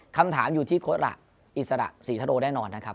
คำถามอยู่ที่โค้ดระอิสระศรีทะโดแน่นอนนะครับ